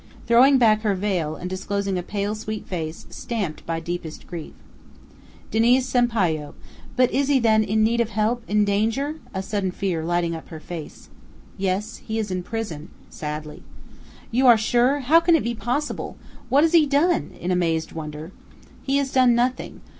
throwing back her veil, and disclosing a pale, sweet face, stamped by deepest grief. "Diniz Sampayo! But is he, then, in need of help in danger?" a sudden fear lighting up her face. "Yes, he is in prison," sadly. "You are sure? How can it be possible? What has he done?" in amazed wonder. "He has done nothing.